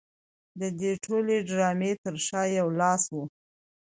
د دې ټولې ډرامې تر شا یو لاس و